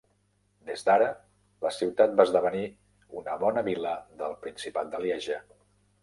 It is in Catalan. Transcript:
Des d'ara, la ciutat va esdevenir una bona vila del principat de Lieja.